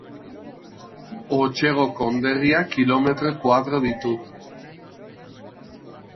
Otsego konderriak kilometro koadro ditu.